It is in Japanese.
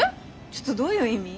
ちょっとどういう意味？